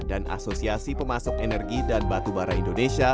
dan asosiasi pemasuk energi dan batubara indonesia